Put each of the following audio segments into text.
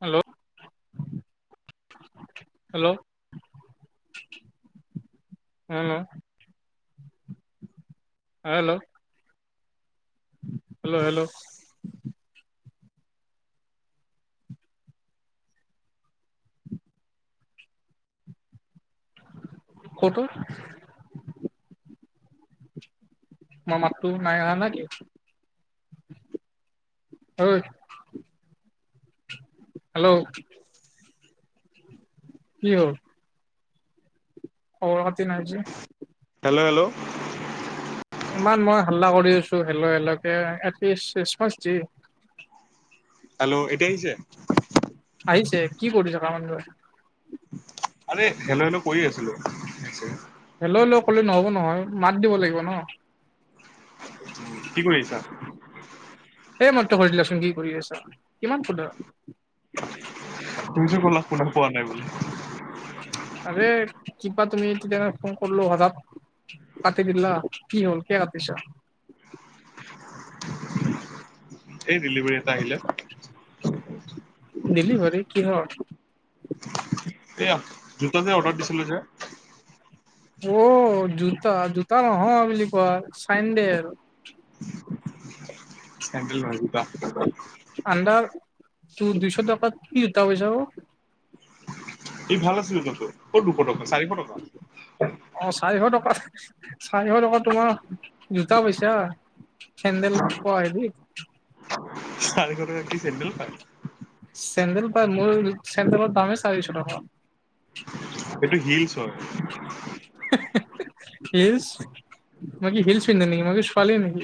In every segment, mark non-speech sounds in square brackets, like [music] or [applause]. Hello hello hello hello hello hello কত অ মোৰ মাতটো নাই অহা না কি ঐ হেল্ল কি হ'ল খবৰ খাতি নাই যে হেল্ল হেল্ল ইমান মই হাল্লা কৰি আছো হেল্ল হেল্ল কে এটলিছ ৰেছপনছ দে হেল্ল' এতিয়া আহিছে আহিছে কি কৰিছা তাৰ মানে তই আৰে হেল্ল হেল্ল কৰি আছিলো হেল্ল হেল্ল ক'লে নহ'ব নহয় মাত দিব লাগিব ন কি কৰি আছা সেই মাত্ৰ কৈ দিলাচোন কি কৰি আছা কিমান সুধা তুমিতো ক'লা শুনা পোৱা নাই বুলি আৰে কিবা তুমি তেতিয়া ফোন কৰলো হঠাৎ কাটি দিলা কি হ'ল কিয় কাটিছ এই ডেলিভাৰী এটা আহিলে ডেলিভাৰি কিহৰ এয়া জোতা যে অৰ্ডাৰ কৰিছিলো যে অ জোতা জোতা নহয় বুলি কোৱা চেইনদেল চেনডেল নহয় জোতা আনডাৰ তোৰ দুইশ টকাত কি জোতা পাইছা ও এ ভাল আছিল জোতা যোৰ কত দুশ টকা চাৰিশ টকা অ চাৰিশ টকা চাৰিশ টকা তোমাৰ জোতা পাইছা চেন্দেল পোৱা সেবো চাৰিশ টকাত কি চেন্দেল পায় চেন্দেল পাই মোৰ চেণ্ডেলৰ দামেই চাৰিশ টকা এইটো হিলচ হয় এহ এহ হিলছ মই কি হিলছ পিন্ধো নেকি মই কি ছোৱালী নেকি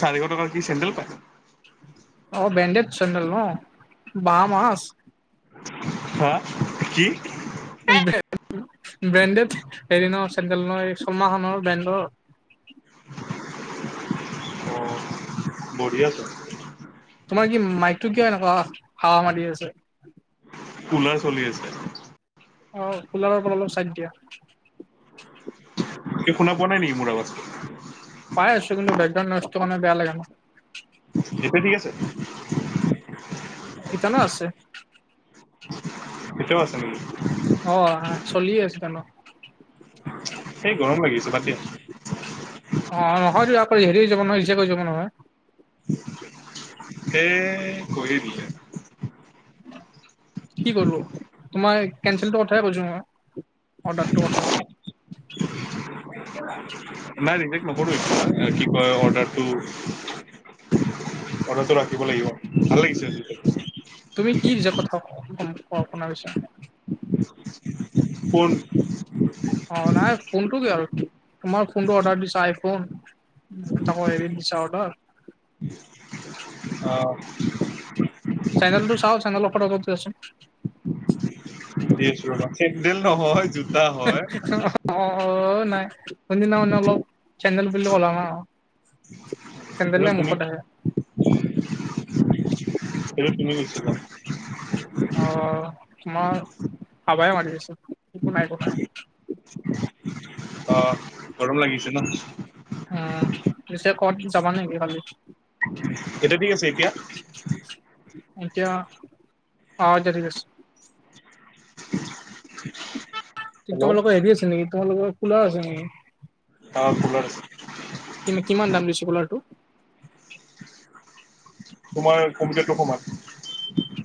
চাৰিশ টকাৰ কি চেণ্ডেল পাই অ বেণ্ডেত চেন্দেল ন বাম মাচ বা কি ব্ৰে ব্ৰেণ্ডেড হেৰি ন চেণ্ডেল ন শৰ্মাখনৰ ব্ৰেণ্ডৰ অ বহি আছো তোমাৰ কি মাইকটো কিয় এনেকুৱা হাৱা মাৰি আছে পোলাৰ চলি আছে অ কোলাৰৰ পৰা অলপ চাইড দিয়া শুনা পোৱা নাই নেকি মোৰ আৱাজ পাই আছো কিন্তু বেকগ্ৰাউণ্ড নইষ্টটো মানে বেয়া লাগে ন সেটোয়ে ঠিক আছে। ইটানো আছে ইটোও আছে নিকি অ আহা চলিয়ে আছে ন এই গৰম লাগিছে বাদ দিয়া। অ নহয়তো আ কৰি হেৰি যাব নহয় ইচ্ছা কৈ যাব নহয় সেইয়ে কৈয়ে দিলে কি কৰলো তোমাৰ কেনঞ্চেলটোৰ কথাই কৈছোঁ মই অৰ্ডাৰটোৰ কথা। [unintelligible] নাই ৰেজেক্ট নকৰোৱে এ কি কয় অৰ্ডাৰটো অৰ্ডাৰটো ৰাখিব লাগিব ভাল লাগিছে আজি টো তুমি কিৰ যে কথাও ক [unintelligible] ফোন অ নাই ফোনটো কিহৰ তোমাৰ ফোনটো অৰ্ডাৰ দিছ আইফোন তাকৌ হেৰিত দিছা অৰ্ডাৰ অ চেন্দেলটো চাও চেন্দেলৰ অফাৰ [unintelligible] দিছ আছোঁ ৰবা চেণ্ডেল নহয় জো- এহ অ অ নাই সৈনদিনা মানে অলপ চেন্দেল বুলি কলা না চেন্দেলে মুখত আহে এইটো তুমি [unintelligible] অ মই হাবাই মাৰি দিছো একো নাই কোৱা নাই অ গৰম লাগিছে ন উম পিছে ক'ত যাবা নেকি কালি? এতিয়া ঠিক আছে এতিয়া এতিয়া অ এতিয়া ঠিক আছে। হেল্ল' তোমালোকৰ হেৰি আছে নেকি তোমালোকৰ কুলাৰ আছে নেকি অ কুলাৰ আছে কিমি কিমান দাম লৈছে কুলাৰটো তোমাৰ কম্পিউটাৰ টো সমান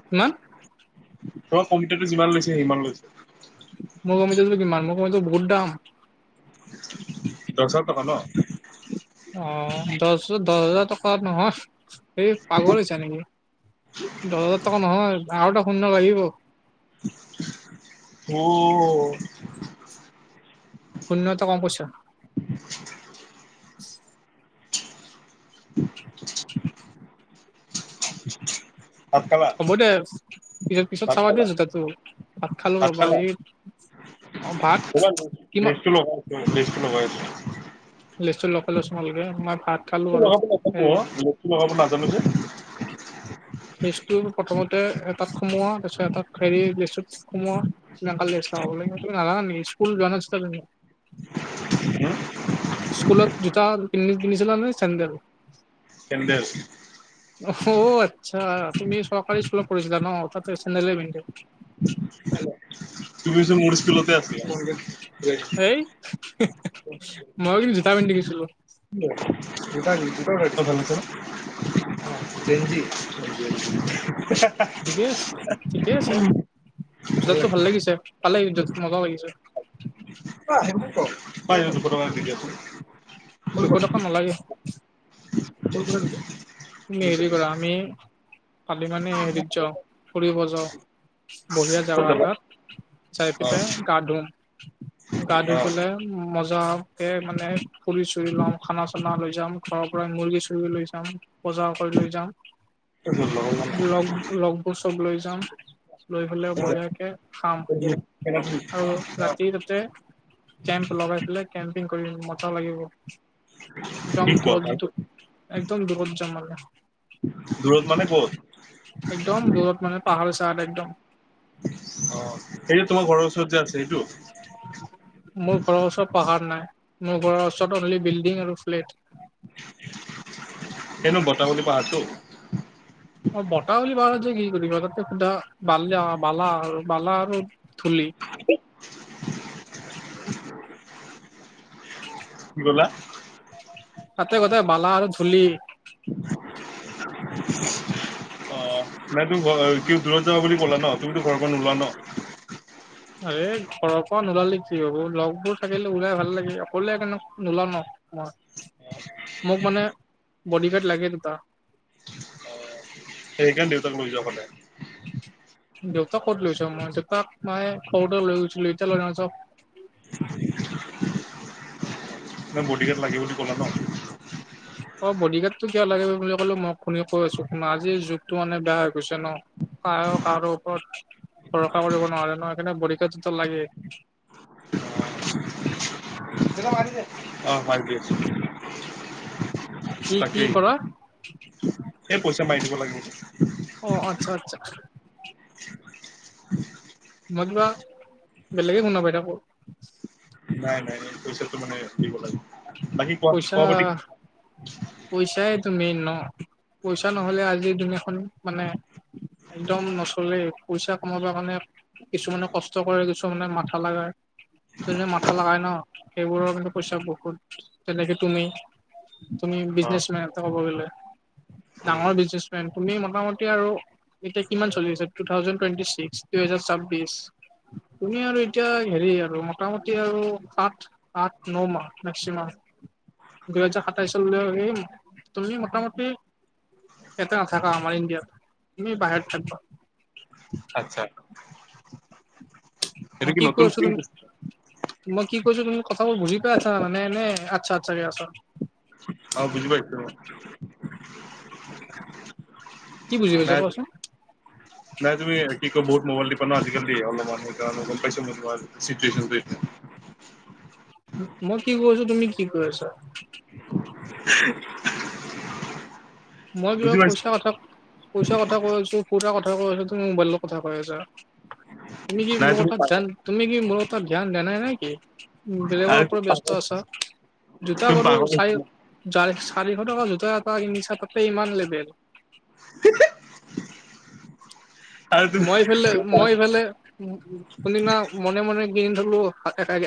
কিমান ত কম্পিতাৰটো যিমান লৈছে সিমান লৈছে মোৰ কম্পিউটাৰটো কিমান দাম মোৰ কম্পিউটাৰটো বহুত দাম। দহ হাজাৰ টকা ন অ দহ দহ হাজাৰ টকা নহয় সেই পাগল হৈছো নেকি দহ হাজাৰ টকা নহয় আৰু এটা শূন্য লাগিব ওঅ শূন্য এটা কম কৈছা [unintelligible] [unintelligible] [inaudible] ভাত খালা হ'ব দে পিছত পিছত ভাত চাবা খালা দিয়া জোতাটো ভাত খালো ৰবা এই অ ভাত কিমা- হয় ব্যস্ত হৈ আছো লিষ্টটো নকলাচোন ভালকে মই ভাত খালো মুৰ্গী আৰু। বনাব নাজানো মই মুৰ্গী বনাব নাজানো যে লিষ্টটো প্ৰথমতে এটাত সোমোৱা তাৰপিছত এটাত হেৰি লিষ্টটোত সোমোৱা না কালি চাবলে কৈছো নাজানা নেকি স্কুল যোৱা নাছিলা তুমি হম স্কুলত জোতা পিন্ধি পিন্ধিছিলা নে চেন্ডেল চেন্ডেল অ আচ্ছা তুমি চৰকাৰী স্কুলত পঢ়িছিলা ন তাতে চেন্ডেলে পিন্ধে তুমি চোন মোৰ স্কুলতে আছিলা সেই হে হে মই কিন্তু জোতা পিন্ধি গৈছিলো জোতা পিন্ধি হা হা উম জোতাতো ভাল লাগিছে ভালে কিন্তু মজা লাগিছে পাই যাবি দুশ টকা দি দিয়ক চোন দুশ টকা নালাগে কৰ পৰা লৈছা তুমি হেৰি কৰা আমি কালি মানে হেৰিত যাও ফুৰিব যাও বঢ়িয়া জাগা এটাত চাই পেলাই গা ধুম গা ধুই পেলাই মজাকে মানে ফুৰি চুৰি লম খানা চা না লৈ যাম ঘৰৰ পৰাই মুৰ্গী চুৰ্গী লৈ যাম বজাৰ কৰি লৈ যাম লগ লগবোৰ চব লৈ যাম লৈ পেলাই বঢিয়াকে খাম অ সেই তাতে কেম্প লগাই পেলাই কেম্পিং কৰিব মজা লাগিব একদম কি কোৱা দূৰত একদম দূৰত যাম মানে দূৰত মানে ক'ত একদম দূৰত মানে পাহাৰে চাহাৰে একদম অ সেইটো তোমাৰ ঘৰৰ ওচৰত যে আছে সেইটো মোৰ ঘৰৰ ওচৰত পাহাৰ নাই মোৰ ঘৰৰ ওচৰত অনলি বিল্ডিং আৰু ফ্লেট সেটো বটাৱলী পাহাৰতো অ বটাৱলী পাহাৰত যায় কি কৰিবা তাত সুদা বালি অ বালা বালা আৰু ধূলি ব'লা তাতে গোটেই বালা আৰু ধূলি [unintelligible] অ নাই তোক ঘৰৰ কিয় দূৰত যাবা বুলি ক'লে ন তুমিতো ঘৰখন নোলোৱা ন এই ঘৰৰ পৰা নোলালে কি হব লগবোৰ থাকিলে ওলাই ভাল লাগে অকলে কেনে নোলাও ন অ মোক মানে বডি গাৰ্ড লাগে দুটা সেইকাৰণে দেউতাক লৈ যোৱা পালে দেউতাক ক'ত লৈ যাম মই দেউতাক মায়ে সৰুতে লৈ গেছিলে এতিয়া লৈ নাযাও নহয় বডিগাৰ্ড লাগে বুলি কলা ন [unintelligible] অ বডিগাৰ্ডটো কিয় লাগে বুলি কলে মই শুনি কৈ আছো শুনা আজিৰ যুগতো মানে বেয়া হৈ গৈছে ন কা কাৰো ওপৰত ভৰষা কৰিব নোৱাৰে নহয় সেইকাৰণে বডীগাৰ্ডতো লাগে দেতাই মাতিছে আহ, ভাবি আছোঁ, কি কি তাকেই। কৰা সেই পইচা মাৰি দিব লাগিবটো। অ' আচ্ছা আচ্ছা। [inaudible] মই কিবা বেলেগে শুনা পাই থাকো। নাই নাই, এই পইচাটো মানে দিব লাগিব। পইচা পইচাইটো মেন ন'? পইচা নহ'লে আজি দুনীয়াখন মানে একদম নচলেই, পইচা কমাব কাৰণে কিছুমানে কষ্ট কৰে, কিছুমানে মাথা লগায়। যোনে মাথা লগাই ন', সেইবোৰৰ কিন্তু পইচা বহুত। তেনেকে তুমি তুমি অ বিজনেচমেন ক'ব গ'লে, উম ডাঙৰ বিজনেচ তুমি মোটামতি, আৰু এতিয়া কিমান চলি আছে টু থাউজেন টুৱেন্টি ছিক্স, দুই হাজাৰ চাব্বিশ। তুমি আৰু এতিয়া হেৰি, আৰু মোটামুটি আৰু সাত, আঠ, ন, মাহ মেক্সিমাম। দুহেজাৰ সাতাইশ চনলৈ [unintelligible] তুমি মোটামুটি ইয়াতে নাথাকা আমাৰ ইণ্ডিয়াত, তুমি বাহিৰত থাকিবা। আচ্ছা। এইটো মই কি নতুন কৈছোঁ? তুমি ফিল্ম মই কি কৈছোঁ, তুমি কথাবোৰ বুজি পাই আছা মানে নে? আচ্ছা, আচ্ছাকে আছা। অ', বুজি পাইছো। কি বুজি পাইছা নাই কোৱাচোন? নাই, তুমি কি কয়! বহুত মোবাইল টিপা ন আজিকালি। অলপমান [unintelligible] গম পাইছোঁ মই তোমাৰ চিটুৱেশ্বনটো। মই কি কৈ আছোঁ? তুমি কি কৈ আছা? [inaudible] মই কিবা বুজি পাইছো পইচা কথা পইচাৰ কথা কৈ আছোঁ, ফুৰাৰ কথা কৈ আছো, তুমি মোবাইলৰ কথা কৈ আছা। তুমি কি নাই মোৰ কথাাত পাগল ধ্যান তুমি কি মোৰ কথাত ধ্যান দিয়া নাই নেকি? উম, আৰু বেলেগৰ ওপৰত ব্যস্ত আছা, জোতা তুমি বাৰু পাগল চাই চাৰিশ টকা জোতা এটা কিনিছা তাতে ইমান লেবেল। [unintelligible] আৰু তুমি মই ইফালে মই ইফালে [unintelligible] মনে মনে কিনি থলো,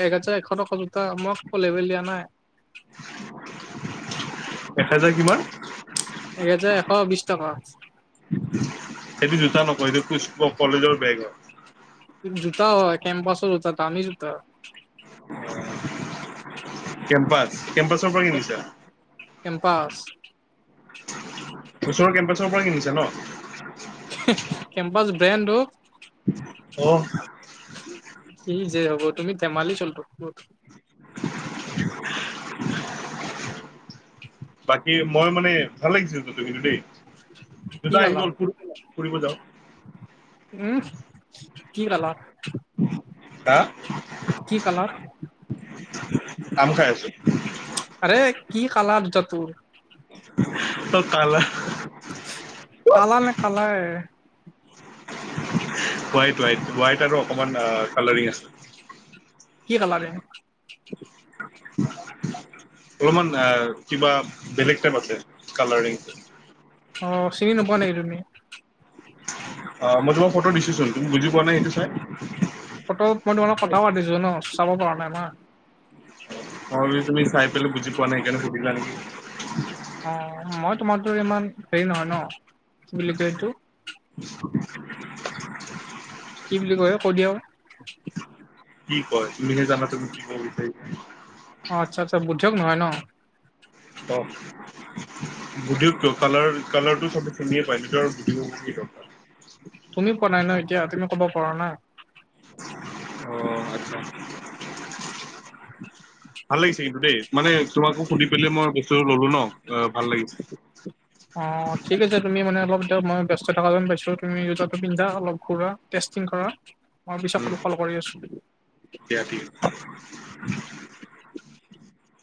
এক হাজাৰ-এশ টকা জোতা মই আক লেবেল দিয়া নাই। একহাজাৰ কিমান? এহেজাৰ এশ বিছ টকা। সেইটো জোতা নকয়, [unintelligible] সেইটো কলেজৰ বেগ হয়। জোতা হয়, কেম্পাছৰ জোতা--দামী জোতা। [unintelligible] কেম্পাছ-কেম্পাছৰ পৰা কিনিছা? কেম্পাছ ওচৰৰ কেম্পাছৰ পৰাই কিনিছা ন'? হুহ কেম্পাছ ব্ৰেণ্ডটো। অহ। কি যে হ'ব! তুমি ধেমালি চলতো [inaudible] বাকী মই মানে ভাল লাগিছিল টো কিন্তু দেই কি জোতা আহি কালাৰ গল, ফুৰ-ফুৰিব যাওঁ। উমহ, কি কালাৰ? হা? কি কালাৰ? [unintelligible] আম খাই আছো আৰে কি কালাৰ জোতাটোৰ? [unintelligible] অঁ কালাৰ [unintelligible] কালা নে কালাৰ? [unintelligible] হোৱাইট-হোৱাইট। হোৱাইট আৰু অকমান কালাৰিং আহ আছে। [unintelligible] কি কালাৰিং? [unintelligible] [unintelligible] অলপমান কিবা বেলেগ টাইপ আছে কালাৰিং [unintelligible] অ! চিনি নোপোৱা নেকি তুমি? [unintelligible] অ! মই তোমাক ফটো দিছোঁ চোৱা তুমি বুজি পোৱা নাই সেইটো চাই [unintelligible] ফটোত মই তোমাৰ লগত কথাও পাতিছো ন চাব পৰা নাই ন [unintelligible] মই ভাবিছো তুমি চাই পেলাই বুজি পোৱা নাই সেইকাৰনে সুধিলা নেকি। [unintelligible] অঁ! মই তোমাৰদৰে ইমান হেৰি নহয় ন কি বুলি কয় এইটো? [unintelligible] [unintelligible] কি বুলি কয় কৈ দিয়া চোন? [unintelligible] কি কয় তুমিহে জানা তুমি কিব বিচাৰিছা? [unintelligible] অঁ! আচ্ছা-আচ্ছা। বুধিয়ক নহয় ন? [inaudible] অ [inaudible] বুধিয়কটো কালাৰ-কালাৰটো চবে চিনিয়ে পায়। [unintelligible] [inaudible] তুমি কোৱা নাই ন এতিয়া? তুমি ক'ব পৰা নাই? [unintelligible] অ! আচ্ছা [unintelligible] [inaudible] ভাল লাগিছে কিন্তু দেই মানে তোমাকো সুধি পেলাই মই বস্তুটো ললো ন। [unintelligible] ভাল লাগিছে। অঁ! ঠিক আছে তুমি মানে অলপ [unintelligible] ব্যস্ত থকা যেন পাইছো। তুমি জোতাটো পিন্ধা, অলপ ঘূৰা, টেষ্টিং কৰা। মই পিছত উম কল কৰি আছোঁ। [unintelligible] দিয়া ঠিক আছে [unintelligible]